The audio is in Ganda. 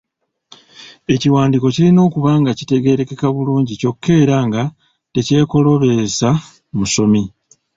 Ekiwandiiko kirina okuba nga kitegeerekeka bulungi kyokka era nga tekyekooloobesa musomi.